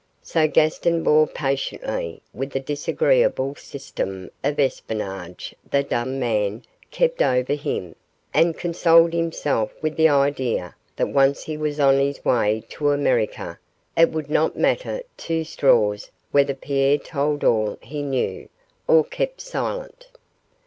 So Gaston bore patiently with the disagreeable system of espionage the dumb man kept over him, and consoled himself with the idea that once he was on his way to America, it would not matter two straws whether Pierre told all he knew, or kept silent.